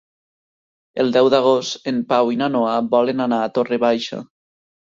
El deu d'agost en Pau i na Noa volen anar a Torre Baixa.